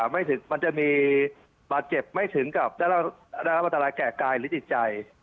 มันจะมีบาดเจ็บไม่ถึงกับได้รับอันตรายแก่กายหรือจิตใจ